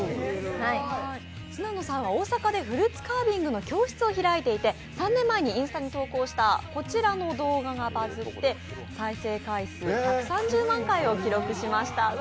砂野さんは大阪でフルーツカービングの教室を開いていて３年前にインスタに投稿したこちらの動画がバズって再生回数１３０万回を記録しました。